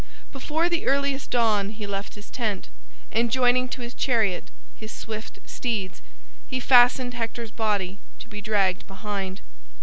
Before the earliest dawn he left his tent, and joining to his chariot his swift steeds, he fastened Hector's body to be dragged behind.